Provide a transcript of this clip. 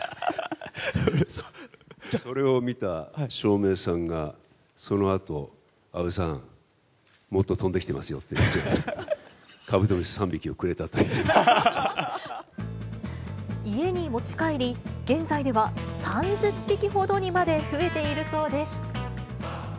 それを見た照明さんが、そのあと、阿部さん、もっと飛んできてますよって言って、カブトムシ３匹をくれたとい家に持ち帰り、現在では３０匹ほどにまで増えているそうです。